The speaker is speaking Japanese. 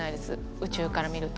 宇宙から見ると。